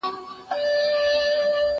زه مخکي د تکړښت لپاره تللي وو!